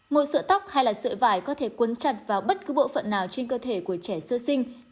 một sợi tóc hay là sợi vải có thể quấn chặt vào bất cứ bộ phận nào trên cơ thể của trẻ sơ sinh